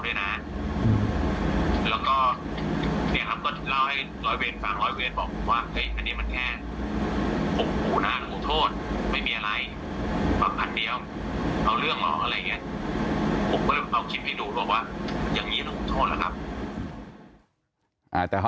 บอกว่ายังงี้น่าคุณโทษหรอครับ